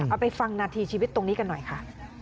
เอาไปฟังนาทีชีวิตตรงนี้กันหน่อยค่ะ